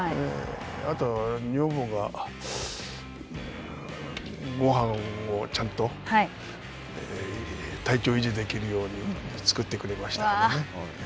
あとは、女房がごはんをちゃんと体調維持できるように作ってくれましたからね。